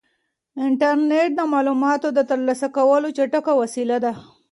انټرنيټ د معلوماتو د ترلاسه کولو چټکه وسیله ده.